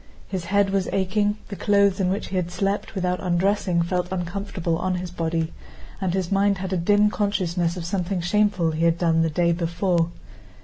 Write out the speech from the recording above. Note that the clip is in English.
His head was aching, the clothes in which he had slept without undressing felt uncomfortable on his body, and his mind had a dim consciousness of something shameful he had done the day before.